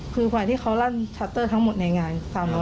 คือฝ่ายที่เขารั่นชัตเตอร์ทั้งหมดในงาน